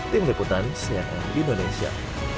tim liputan sehat indonesia